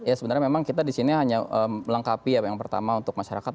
ya sebenarnya memang kita di sini hanya melengkapi yang pertama untuk masyarakat